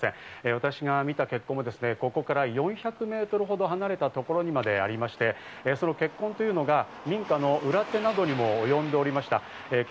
私が見た血痕はここから４００ｍほど離れた所にまでありまして、その血痕は民家の裏手などにもおよんでおりました。